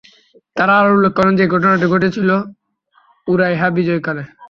তারা আরো উল্লেখ করেন যে, এ ঘটনাটি ঘটেছিল উরায়হা বিজয়কালে।